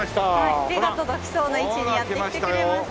手が届きそうな位置にやって来てくれました。